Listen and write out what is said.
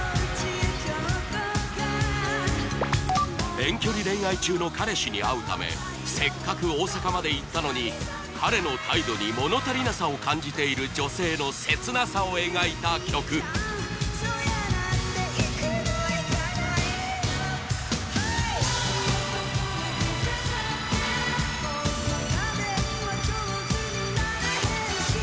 遠距離恋愛中の彼氏に会うためせっかく大阪まで行ったのに彼の態度に物足りなさを感じている女性の切なさを描いた曲はい！